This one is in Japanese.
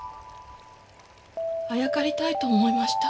あやかりたいと思いました。